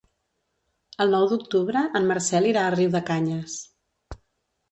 El nou d'octubre en Marcel irà a Riudecanyes.